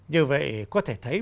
như vậy có thể thấy